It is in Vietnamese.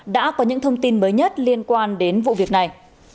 đã có những thông tin mới nhất liên quan đến vụ việc này